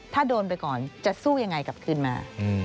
ถ้าโดนไปก่อนจะสู้ยังไงกลับคืนมา